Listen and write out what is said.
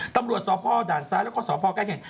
ตำรวจศาสตร์พ่ออาฆาตดาลซ้ายแล้วก็ศาสตร์พ่ออาฆาตแก้เข็น